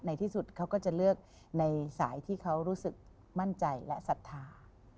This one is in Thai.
ในที่สุดเขาก็จะเลือกในสายที่เขารู้สึกมั่นใจและศรัทธา